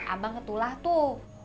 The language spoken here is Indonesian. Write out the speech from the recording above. abang ketulah tuh